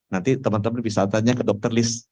nanti teman teman bisa tanya ke dokter list